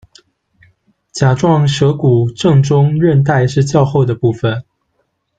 甲状舌骨正中韧带是较厚的部分。